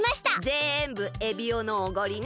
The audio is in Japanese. ぜんぶエビオのおごりね！